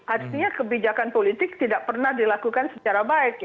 artinya kebijakan politik tidak pernah dilakukan secara baik